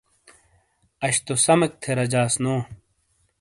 اش تو سمیک تھے رجیاس نو